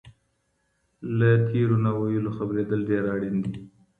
له تېرو ناويلو خبرېدل ډېر اړین دي.